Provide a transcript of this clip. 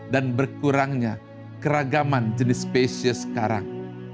dan berkurangnya keragaman jenis spesies sekarang